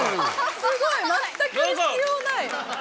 すごい全く必要ない！